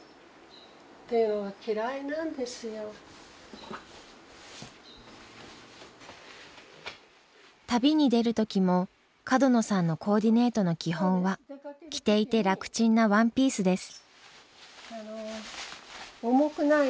私あの旅に出る時も角野さんのコーディネートの基本は着ていて楽ちんなワンピースです。